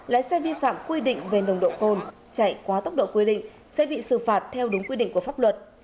lái xe vi phạm quy định về nồng độ cồn chạy quá tốc độ quy định sẽ bị xử phạt theo đúng quy định của pháp luật